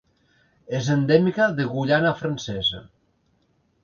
És endèmica de Guyana Francesa.